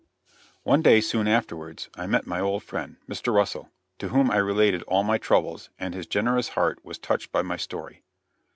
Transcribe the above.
One day, soon afterwards, I met my old friend, Mr. Russell, to whom I related all my troubles, and his generous heart was touched by my story.